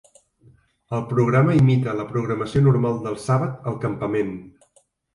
El programa imita la programació normal del sàbat al campament.